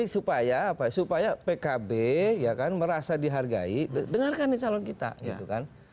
supaya pkb merasa dihargai dengarkan nih calon kita gitu kan